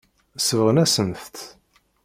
Sebɣen-asent-t.